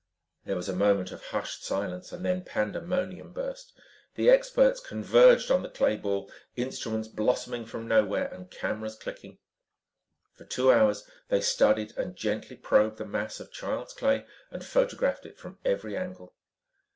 There was a moment of hushed silence and then pandemonium burst. The experts converged on the clay ball, instruments blossoming from nowhere and cameras clicking. For two hours they studied and gently probed the mass of child's clay and photographed it from every angle.